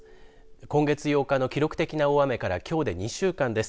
今月８日の記録的な大雨からきょうで２週間です。